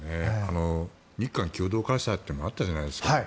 日韓共同開催というのもあったじゃないですか。